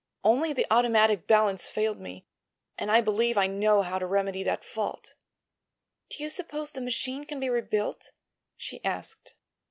Only the automatic balance failed me, and I believe I know how to remedy that fault." "Do you suppose the machine can be rebuilt?" she asked.